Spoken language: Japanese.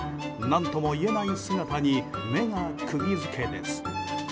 何とも言えない姿に目が釘付けです。